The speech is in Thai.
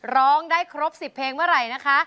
ร้องได้ครบ๑๐เพลงเมื่อไหร่นะคะ